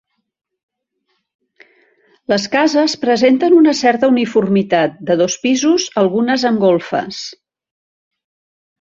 Les cases presenten una certa uniformitat: de dos pisos, algunes amb golfes.